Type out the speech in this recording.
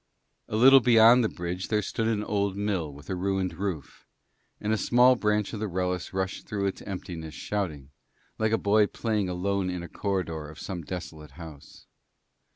A little beyond the bridge there stood an old mill with a ruined roof, and a small branch of the Wrellis rushed through its emptiness shouting, like a boy playing alone in a corridor of some desolate house.